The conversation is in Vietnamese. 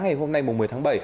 ngày hôm nay một mươi tháng bảy